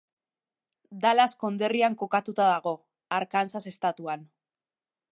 Dallas konderrian kokatuta dago, Arkansas estatuan.